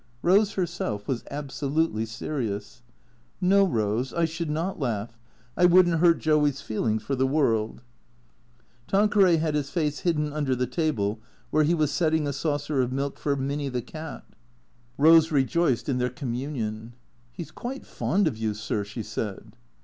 Eose herself was absolutely serious. " No, Eose, I should not laugh. I would n't hurt Joey's feel ings for the world." Tanqueray had his face hidden under Ihc table where he was setting a saucer of milk for Miuny, the cat. 28 THECEEATOES Eose rejoiced in their communion. " He 's quite fond of you, sir/' she said.